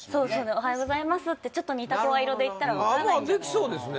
おはようございますってちょっと似た声色で言ったらできそうですね